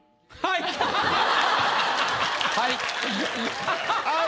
「はい」。